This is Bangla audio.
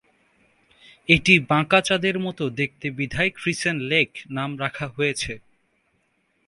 এটি বাঁকা চাঁদের মত দেখতে বিধায় ক্রিসেন্ট লেক নাম রাখা হয়েছে।